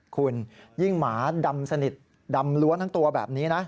คุณยิ่งหมาดำสนิทดำล้วนทั้งตัวแบบนี้นะ